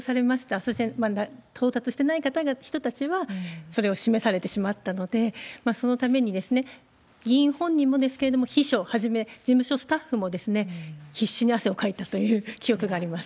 そして到達してない人たちはそれを示されてしまったので、そのために議員本人もですけれども、秘書はじめ、事務所スタッフも必死に汗をかいたという記憶があります。